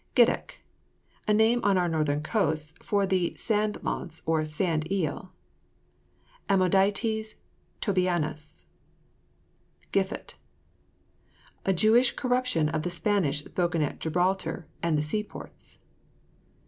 GIDDACK. A name on our northern coasts for the sand launce or sand eel, Ammodytes tobianus. GIFFOOT. A Jewish corruption of the Spanish spoken at Gibraltar and the sea ports.